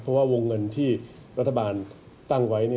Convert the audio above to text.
เพราะว่าวงเงินที่รัฐบาลตั้งไว้